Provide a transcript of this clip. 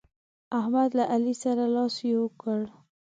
احمد له علي سره لاس يو کړ.